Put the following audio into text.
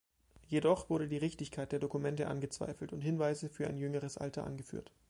Jedoch wurde die Richtigkeit der Dokumente angezweifelt und Hinweise für ein jüngeres Alter angeführt.